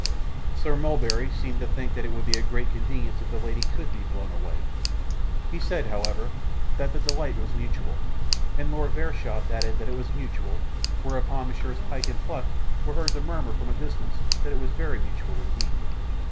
Sir Mulberry seemed to think that it would be a great convenience if the lady could be blown away. He said, however, that the delight was mutual, and Lord Verisopht added that it was mutual, whereupon Messrs Pyke and Pluck were heard to murmur from the distance that it was very mutual indeed.